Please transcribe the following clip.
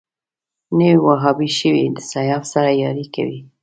نوی وهابي شوی د سیاف سره ياري کوي